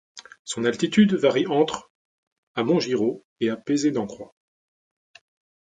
Son altitude varie entre à Montgirod et à Peisey-Nancroix.